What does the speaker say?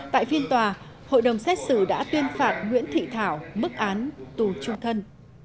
tại phiên tòa hội đồng xét xử đã tuyên phạt nguyễn thị thảo mức án tù trung thân